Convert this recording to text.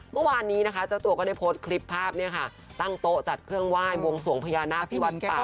เมื่อวานนี้นะคะเจ้าตัวก็ได้โพสต์คลิปภาพเนี่ยค่ะตั้งโต๊ะจัดเครื่องไหว้บวงสวงพญานาคที่วัดป่า